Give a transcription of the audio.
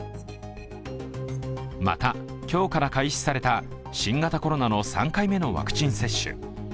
また、今日から開始された新型コロナの３回目のワクチン接種。